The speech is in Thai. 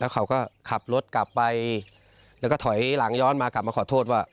เขาก็ขับรถกลับไปแล้วก็ถอยหลังย้อนมากลับมาขอโทษว่า